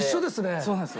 そうなんですよ。